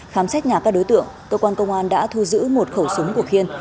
khám xét nhà các đối tượng cơ quan công an đã thu giữ một khẩu súng của khiên